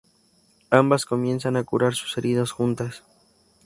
Ambas comienzan a curar sus heridas juntas.